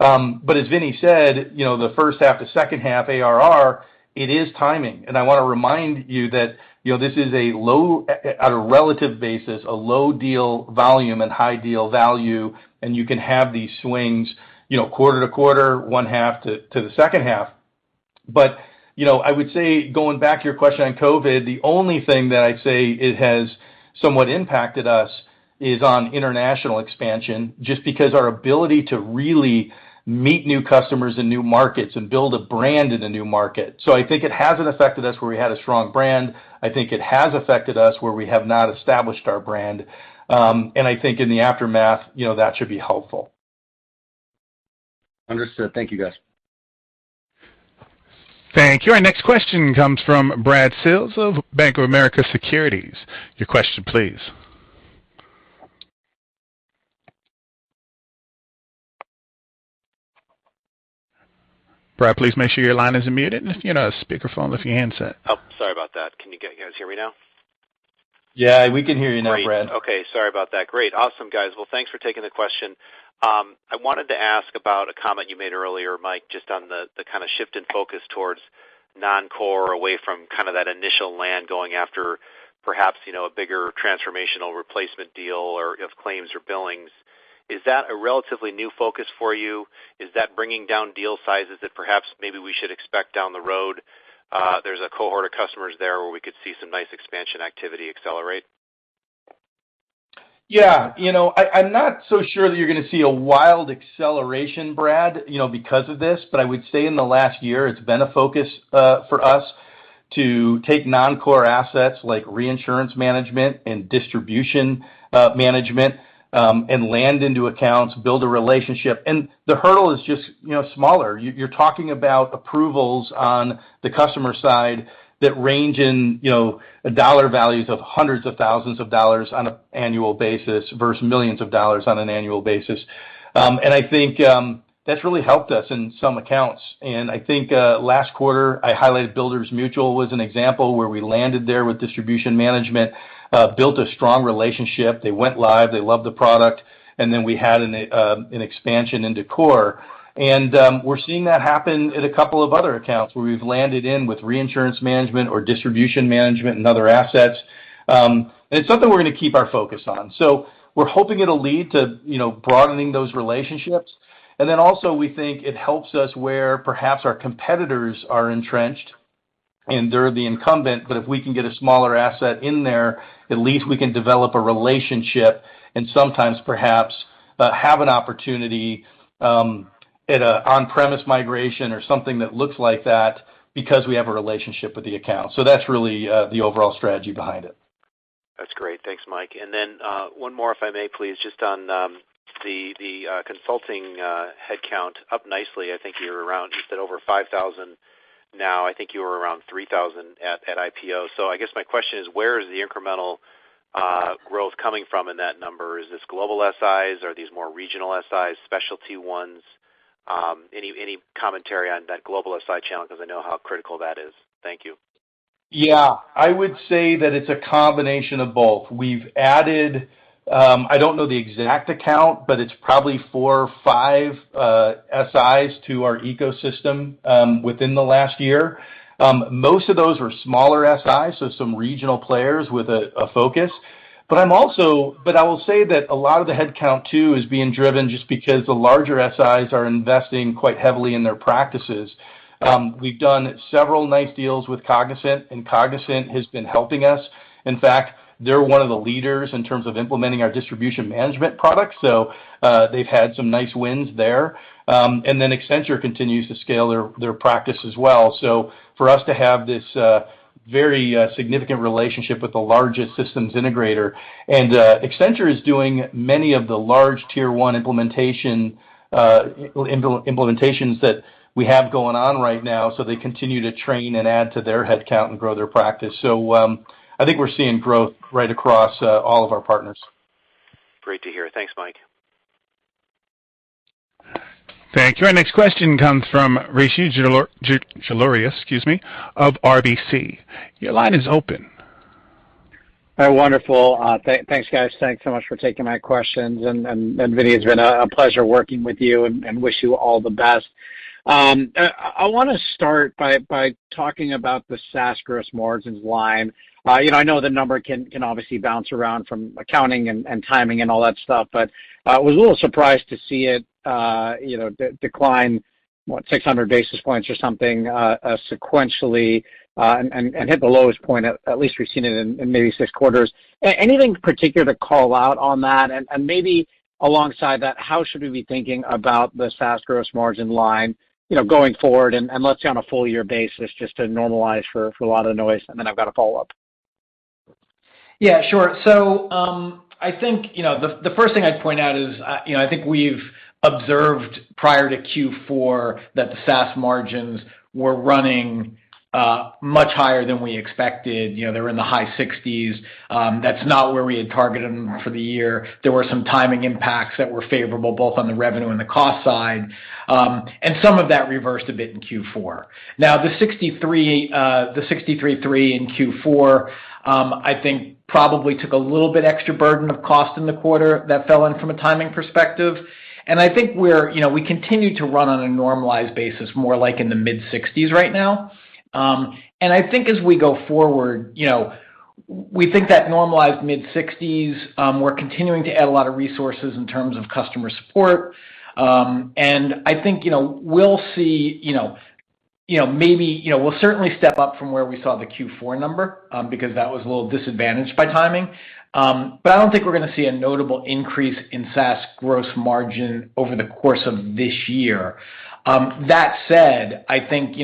As Vinny said, the first half to second half ARR, it is timing. I want to remind you that this is, on a relative basis, a low deal volume and high deal value, and you can have these swings quarter to quarter, one half to the second half. I would say, going back to your question on COVID, the only thing that I'd say it has somewhat impacted us is on international expansion, just because our ability to really meet new customers in new markets and build a brand in a new market. I think it hasn't affected us where we had a strong brand. I think it has affected us where we have not established our brand. I think in the aftermath, that should be helpful. Understood. Thank you, guys. Thank you. Our next question comes from Brad Sills of Bank of America Securities. Your question, please. Brad, please make sure your line isn't muted and your speakerphone if you're handset. Oh, sorry about that. Can you guys hear me now? Yeah, we can hear you now, Brad. Great. Okay, sorry about that. Great. Awesome, guys. Thanks for taking the question. I wanted to ask about a comment you made earlier, Mike, just on the kind of shift in focus towards non-core, away from that initial land going after perhaps a bigger transformational replacement deal or of Duck Creek Claims or Duck Creek Billing. Is that a relatively new focus for you? Is that bringing down deal sizes that perhaps maybe we should expect down the road? There's a cohort of customers there where we could see some nice expansion activity accelerate. I'm not so sure that you're going to see a wild acceleration, Brad, because of this. I would say in the last year, it's been a focus for us to take non-core assets like Reinsurance Management and Distribution Management, and land into accounts, build a relationship. The hurdle is just smaller. You're talking about approvals on the customer side that range in dollar values of hundreds of thousands of dollars on an annual basis versus millions of dollars on an annual basis. I think that's really helped us in some accounts. I think last quarter, I highlighted Builders Mutual as an example where we landed there with Distribution Management, built a strong relationship. They went live, they loved the product, and then we had an expansion into core. We're seeing that happen at a couple of other accounts where we've landed in with Reinsurance Management or Distribution Management and other assets. It's something we're going to keep our focus on. We're hoping it'll lead to broadening those relationships. Also, we think it helps us where perhaps our competitors are entrenched and they're the incumbent, but if we can get a smaller asset in there, at least we can develop a relationship and sometimes perhaps have an opportunity at an on-premises migration or something that looks like that because we have a relationship with the account. That's really the overall strategy behind it. That's great. Thanks, Mike. One more, if I may please, just on the consulting headcount. Up nicely. I think you're around, you said over 5,000 now. I think you were around 3,000 at IPO. I guess my question is, where is the incremental growth coming from in that number? Is this global SIs? Are these more regional SIs, specialty ones? Any commentary on that global SI channel because I know how critical that is. Thank you. Yeah. I would say that it's a combination of both. We've added, I don't know the exact account, but it's probably four or five SIs to our ecosystem within the last year. Most of those were smaller SIs, so some regional players with a focus. I will say that a lot of the headcount too is being driven just because the larger SIs are investing quite heavily in their practices. We've done several nice deals with Cognizant, and Cognizant has been helping us. In fact, they're one of the leaders in terms of implementing our Distribution Management product. They've had some nice wins there. Accenture continues to scale their practice as well. For us to have this very significant relationship with the largest systems integrator. Accenture is doing many of the large Tier 1 implementations that we have going on right now, so they continue to train and add to their headcount and grow their practice. I think we're seeing growth right across all of our partners. Great to hear. Thanks, Mike. Thank you. Our next question comes from Rishi Jaluria of RBC. Your line is open. Wonderful. Thanks, guys. Thanks so much for taking my questions. Vinny, it's been a pleasure working with you and wish you all the best. I want to start by talking about the SaaS gross margins line. I know the number can obviously bounce around from accounting and timing and all that stuff, but I was a little surprised to see it decline 600 basis points or something sequentially, and hit the lowest point, at least we've seen it in maybe six quarters. Anything particular to call out on that? Maybe alongside that, how should we be thinking about the SaaS gross margin line going forward and let's say on a full year basis just to normalize for a lot of the noise? Then I've got a follow-up. Yeah, sure. I think the first thing I'd point out is I think we've observed prior to Q4 that the SaaS margins were running much higher than we expected. They were in the high 60s. That's not where we had targeted them for the year. There were some timing impacts that were favorable both on the revenue and the cost side. Some of that reversed a bit in Q4. Now, the 63.3 in Q4, I think probably took a little bit extra burden of cost in the quarter that fell in from a timing perspective. I think we continue to run on a normalized basis, more like in the mid-60s right now. I think as we go forward, we think that normalized mid-60s, we're continuing to add a lot of resources in terms of customer support. I think we'll certainly step up from where we saw the Q4 number, because that was a little disadvantaged by timing. I don't think we're going to see a notable increase in SaaS gross margin over the course of this year. That said, I think,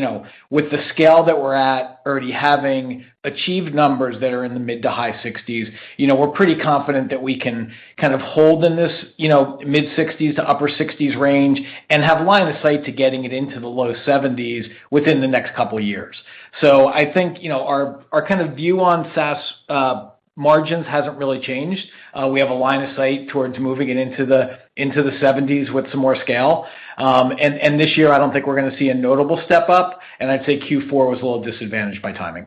with the scale that we're at already having achieved numbers that are in the mid-to-high 60s, we're pretty confident that we can kind of hold in this mid-60s to upper 60s range and have line of sight to getting it into the low 70s within the next couple of years. I think, our kind of view on SaaS margins hasn't really changed. This year, I don't think we're going to see a notable step-up, and I'd say Q4 was a little disadvantaged by timing.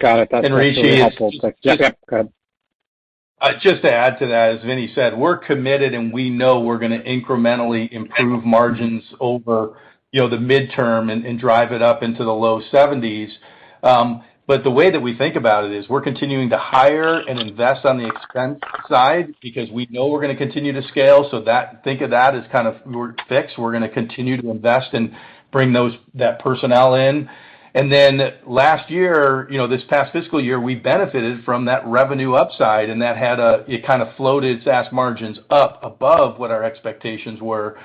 Got it. That's really helpful. Rishi. Go ahead. Just to add to that, as Vinny said, we're committed and we know we're going to incrementally improve margins over the midterm and drive it up into the low 70%. The way that we think about it is we're continuing to hire and invest on the expense side because we know we're going to continue to scale. Think of that as kind of fixed. We're going to continue to invest and bring that personnel in. Last year, this past fiscal year, we benefited from that revenue upside, and it kind of floated SaaS margins up above what our expectations were.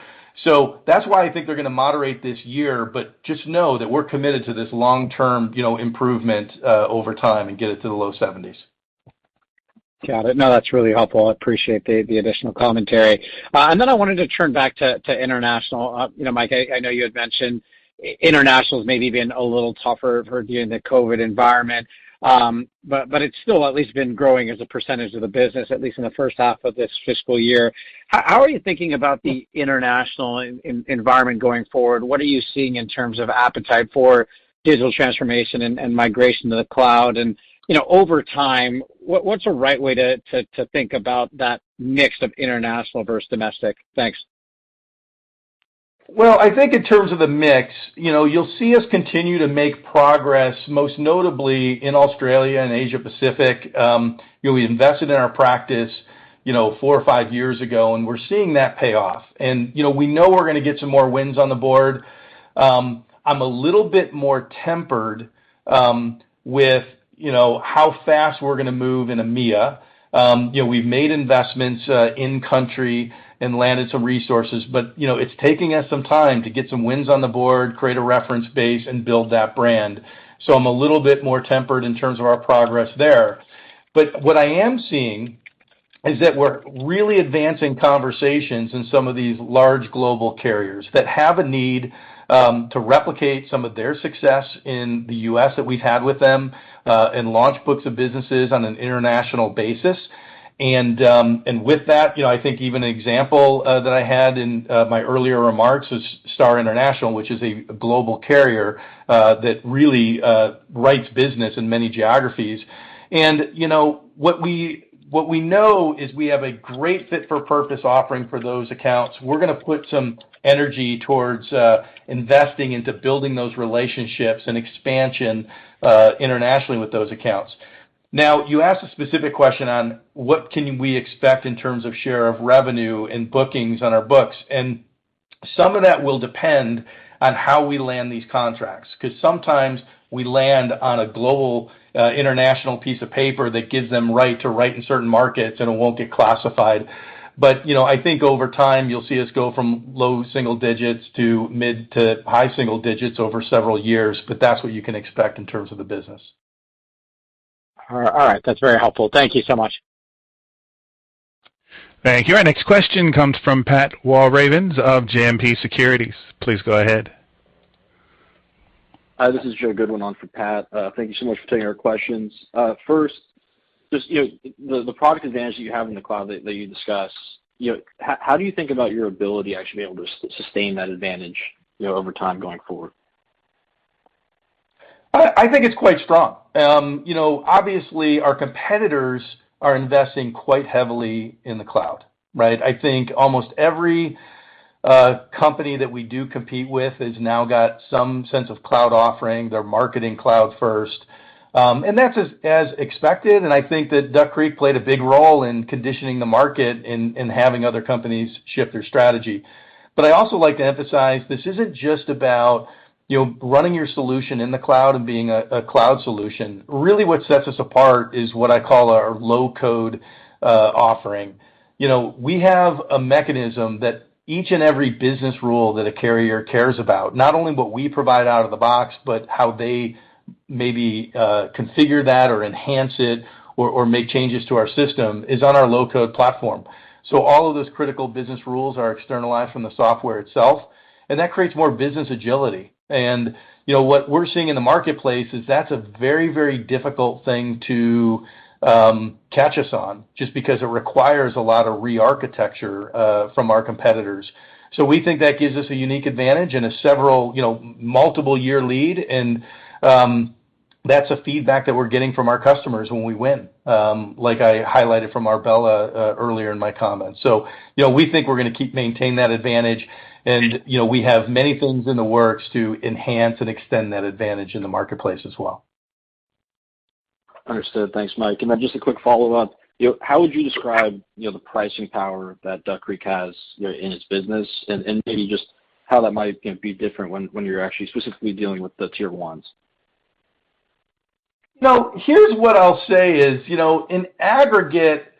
That's why I think they're going to moderate this year, but just know that we're committed to this long-term improvement over time and get it to the low 70%. Got it. No, that's really helpful. I appreciate the additional commentary. I wanted to turn back to international. Mike, I know you had mentioned international's maybe been a little tougher for you in the COVID-19 environment. It's still at least been growing as a percentage of the business, at least in the first half of this fiscal year. How are you thinking about the international environment going forward? What are you seeing in terms of appetite for digital transformation and migration to the cloud? Over time, what's a right way to think about that mix of international versus domestic? Thanks. I think in terms of the mix, you'll see us continue to make progress, most notably in Australia and Asia Pacific. We invested in our practice four or five years ago, and we're seeing that pay off. We know we're going to get some more wins on the board. I'm a little bit more tempered with how fast we're going to move in EMEA. We've made investments in country and landed some resources, but it's taking us some time to get some wins on the board, create a reference base and build that brand. I'm a little bit more tempered in terms of our progress there. What I am seeing is that we're really advancing conversations in some of these large global carriers that have a need to replicate some of their success in the U.S. that we've had with them, and launch books of businesses on an international basis. And with that, I think even an example that I had in my earlier remarks is Starr International, which is a global carrier that really writes business in many geographies. And what we know is we have a great fit for purpose offering for those accounts. We're going to put some energy towards investing into building those relationships and expansion internationally with those accounts. You asked a specific question on what can we expect in terms of share of revenue and bookings on our books, and some of that will depend on how we land these contracts, because sometimes we land on a global international piece of paper that gives them right to write in certain markets, and it won't get classified. I think over time, you'll see us go from low single digits to mid to high single digits over several years. That's what you can expect in terms of the business. All right. That's very helpful. Thank you so much. Thank you. Our next question comes from Pat Walravens of JMP Securities. Please go ahead. Hi, this is Joe Goodwin on for Pat. Thank you so much for taking our questions. First, just the product advantage that you have in the cloud that you discuss, how do you think about your ability to actually be able to sustain that advantage over time going forward? I think it's quite strong. Obviously, our competitors are investing quite heavily in the cloud, right? I think almost every company that we do compete with has now got some sense of cloud offering. They're marketing cloud first. That's as expected, and I think that Duck Creek played a big role in conditioning the market and having other companies shift their strategy. I'd also like to emphasize this isn't just about running your solution in the cloud and being a cloud solution. Really, what sets us apart is what I call our low-code offering. We have a mechanism that each and every business rule that a carrier cares about, not only what we provide out of the box, but how they configure that or enhance it or make changes to our system is on our low-code platform. All of those critical business rules are externalized from the software itself, and that creates more business agility. What we're seeing in the marketplace is that's a very difficult thing to catch us on, just because it requires a lot of re-architecture from our competitors. We think that gives us a unique advantage and a multiple-year lead, and that's a feedback that we're getting from our customers when we win, like I highlighted from Arbella earlier in my comments. We think we're going to maintain that advantage, and we have many things in the works to enhance and extend that advantage in the marketplace as well. Understood. Thanks, Mike. Just a quick follow-up. How would you describe the pricing power that Duck Creek has in its business? Maybe just how that might be different when you're actually specifically dealing with the Tier 1s. Here's what I'll say is, in aggregate,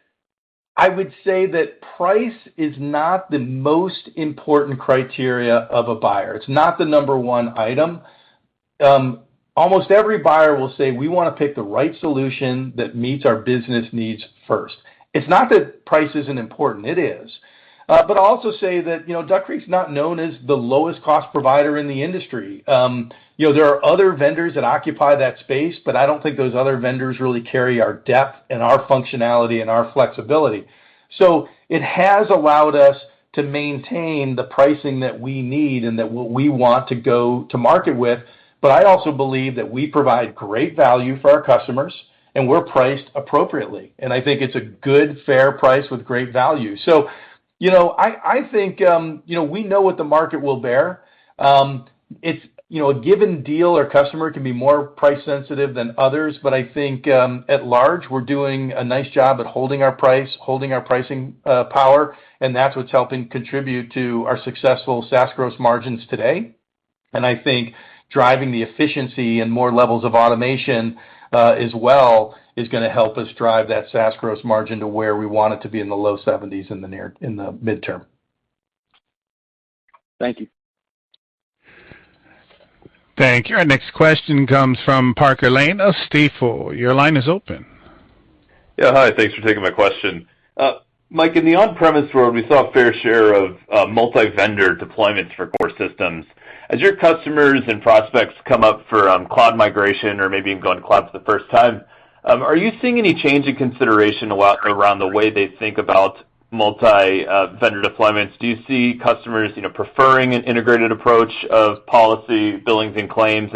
I would say that price is not the most important criteria of a buyer. It's not the number one item. Almost every buyer will say, "We want to pick the right solution that meets our business needs first." It's not that price isn't important. It is. I'll also say that Duck Creek's not known as the lowest-cost provider in the industry. There are other vendors that occupy that space, but I don't think those other vendors really carry our depth and our functionality and our flexibility. It has allowed us to maintain the pricing that we need and that we want to go to market with. I also believe that we provide great value for our customers, and we're priced appropriately, and I think it's a good, fair price with great value. I think we know what the market will bear. A given deal or customer can be more price-sensitive than others, but I think at large, we're doing a nice job at holding our price, holding our pricing power, and that's what's helping contribute to our successful SaaS gross margins today. I think driving the efficiency and more levels of automation as well is going to help us drive that SaaS gross margin to where we want it to be in the low 70s in the midterm. Thank you. Thank you. Our next question comes from Parker Lane of Stifel. Your line is open. Yeah, hi. Thanks for taking my question. Mike, in the on-premise world, we saw a fair share of multi-vendor deployments for core systems. As your customers and prospects come up for cloud migration or maybe even going to cloud for the first time, are you seeing any change in consideration around the way they think about multi-vendor deployments? Do you see customers preferring an integrated approach of Policy, Billings, and Claims?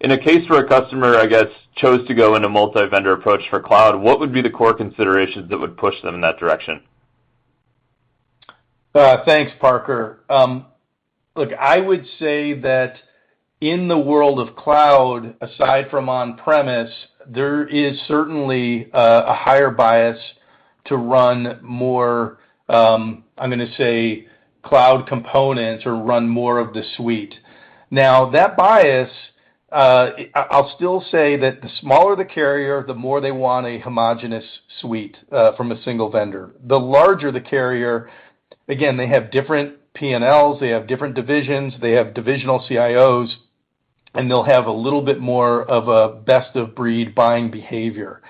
In a case where a customer, I guess, chose to go in a multi-vendor approach for cloud, what would be the core considerations that would push them in that direction? Thanks, Parker. Look, I would say that in the world of cloud, aside from on-premise, there is certainly a higher bias to run more, I'm going to say, cloud components or run more of the suite. That bias, I'll still say that the smaller the carrier, the more they want a homogeneous suite from a single vendor. The larger the carrier, again, they have different P&Ls, they have different divisions, they have divisional CIOs, they'll have a little bit more of a best-of-breed buying behavior.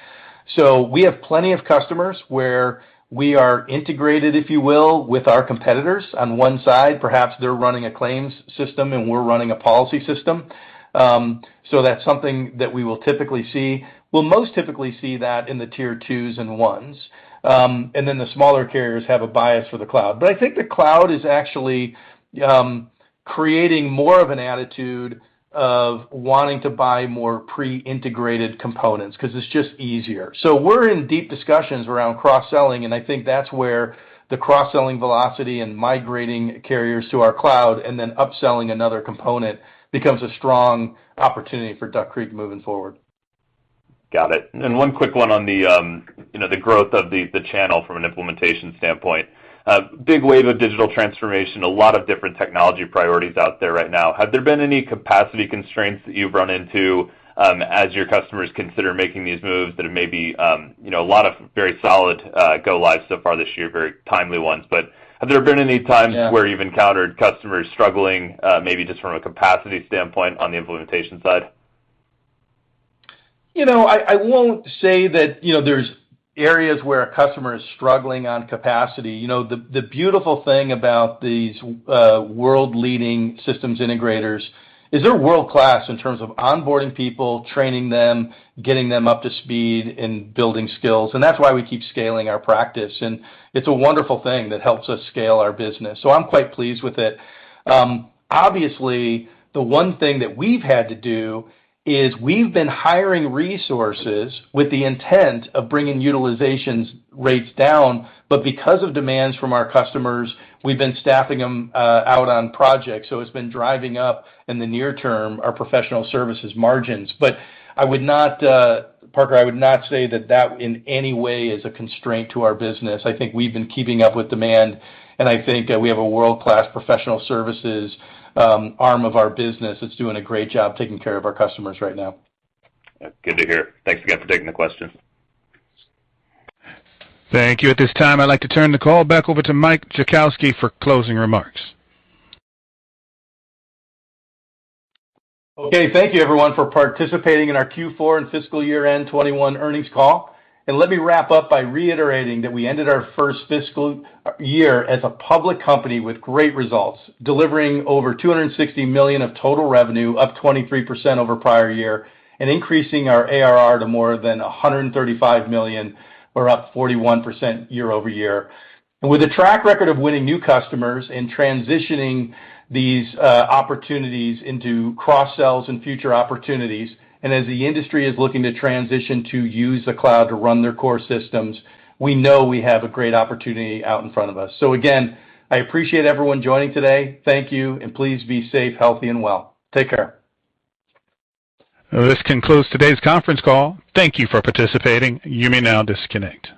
We have plenty of customers where we are integrated, if you will, with our competitors on one side. Perhaps they're running a claims system and we're running a policy system. That's something that we will typically see. We'll most typically see that in the Tier 2s and 1s, the smaller carriers have a bias for the cloud. I think the cloud is actually creating more of an attitude of wanting to buy more pre-integrated components because it's just easier. We're in deep discussions around cross-selling, and I think that's where the cross-selling velocity and migrating carriers to our cloud and then upselling another component becomes a strong opportunity for Duck Creek moving forward. Got it. One quick one on the growth of the channel from an implementation standpoint. Big wave of digital transformation, a lot of different technology priorities out there right now. Have there been any capacity constraints that you've run into as your customers consider making these moves that are maybe a lot of very solid go lives so far this year, very timely ones. Yeah where you've encountered customers struggling, maybe just from a capacity standpoint on the implementation side? I won't say that there's areas where a customer is struggling on capacity. The beautiful thing about these world-leading systems integrators is they're world-class in terms of onboarding people, training them, getting them up to speed, and building skills. That's why we keep scaling our practice. It's a wonderful thing that helps us scale our business. I'm quite pleased with it. Obviously, the one thing that we've had to do is we've been hiring resources with the intent of bringing utilizations rates down. Because of demands from our customers, we've been staffing them out on projects. It's been driving up, in the near term, our professional services margins. Parker, I would not say that that in any way is a constraint to our business. I think we've been keeping up with demand, and I think we have a world-class professional services arm of our business that's doing a great job taking care of our customers right now. Good to hear. Thanks again for taking the question. Thank you. At this time, I'd like to turn the call back over to Mike Jackowski for closing remarks. Okay. Thank you everyone for participating in our Q4 and fiscal year-end 2021 earnings call. Let me wrap up by reiterating that we ended our first fiscal year as a public company with great results, delivering over $260 million of total revenue, up 23% over prior year, and increasing our ARR to more than $135 million. We're up 41% year-over-year. With a track record of winning new customers and transitioning these opportunities into cross-sells and future opportunities, and as the industry is looking to transition to use the cloud to run their core systems, we know we have a great opportunity out in front of us. Again, I appreciate everyone joining today. Thank you, and please be safe, healthy, and well. Take care. This concludes today's conference call. Thank you for participating. You may now disconnect.